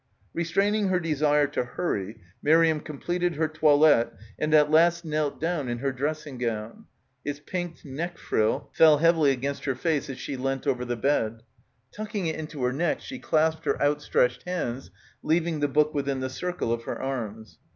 Restraining her desire to hurry, Miriam com pleted her toilet and at last knelt down in her dressing gown. Its pinked neck frill fell heavily against her face as she leant over the bed. Tuck ing it into her neck she clasped her outstretched hands, leaving the book within the circle of her arms.